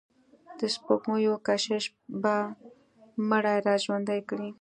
د سپوږمیو کشش به مړي را ژوندي کړي.